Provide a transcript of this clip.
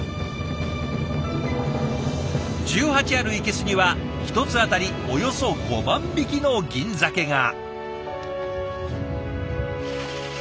１８ある生けすには１つ当たりおよそ５万匹のギンザケが。